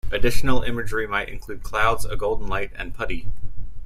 Additional imagery may include clouds, a golden light, and putti.